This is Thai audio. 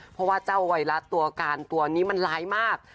เพราะว่าเจ้าไวรัสตัวการตัวนี้มันร้ายมาก